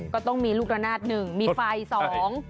ก็ต้องมีลูกระนาดหนึ่งมีไฟสอง